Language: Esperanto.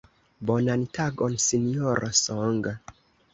Bonan tagon Sinjoro Song.